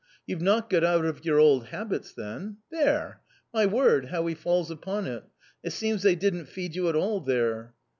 " You've not got out of your old habits then ? There ! My word, how he falls upon it ; it seems they didn't feed you at all there."